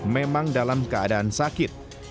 memang dalam keadaan sakit